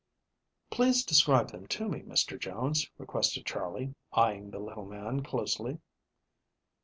"Please describe them to me, Mr. Jones," requested Charley, eyeing the little man closely.